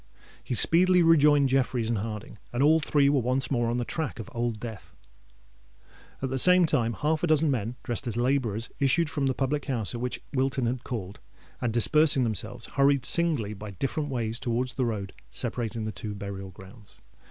He speedily rejoined Jeffreys and Harding; and all three were once more on the track of Old Death. At the same time, half a dozen men, dressed as labourers, issued from the public house at which Wilton had called; and, dispersing themselves, hurried singly by different ways towards the road separating the two burial grounds.